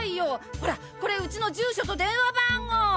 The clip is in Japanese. ホラこれうちの住所と電話番号！